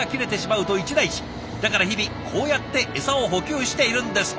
だから日々こうやってエサを補給しているんです。